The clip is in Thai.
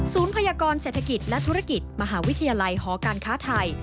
พยากรเศรษฐกิจและธุรกิจมหาวิทยาลัยหอการค้าไทย